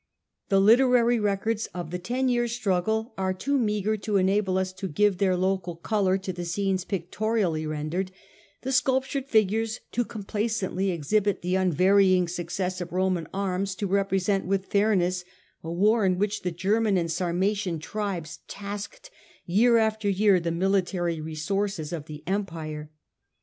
The literary records of the ten years' struggle are too meagre to enable us to give their local colour to the scenes pictorially rendered ; the sculptured figures too complacently exhibit the un varying success of Roman armies to represent with fairness a war in which the German and Sarmatian tribes tasked year after year the military resources of the Empire.